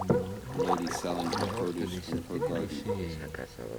A lady selling her produce from her garden.